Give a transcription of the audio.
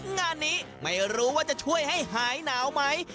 งานนี้ไม่รู้ว่าจะช่วยให้หายหนาวไหม